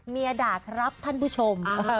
อย่าด่าครับท่านผู้ชม